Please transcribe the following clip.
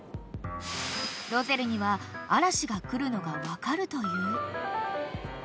［ロゼルには嵐が来るのが分かるという］